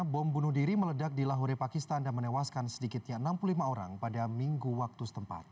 bom bunuh diri meledak di lahore pakistan dan menewaskan sedikitnya enam puluh lima orang pada minggu waktu setempat